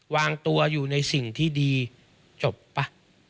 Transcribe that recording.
วางตัวอยู่ในสิ่งที่ดีจบป่ะ